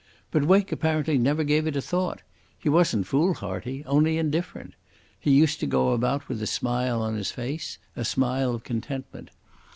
But Wake apparently never gave it a thought. He wasn't foolhardy, only indifferent. He used to go about with a smile on his face, a smile of contentment.